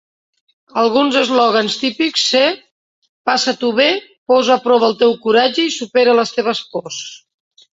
Alguns eslògans típics ser: passa-t'ho bé, posa a prova el teu coratge i supera les teves pors.